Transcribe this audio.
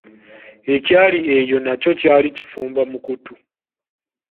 Ekyali eyo nakyo kyali kifumba mukutu..